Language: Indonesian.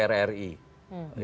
menjadi anggota dpr ri